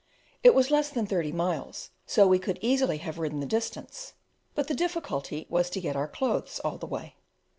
It was less than thirty miles, so we could easily have ridden the distance; but the difficulty was to get our clothes all that way.